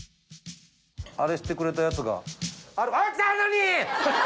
あれしてくれたやつがあっ！